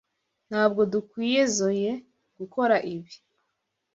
Ntabwo dukwizoe gukora ibi.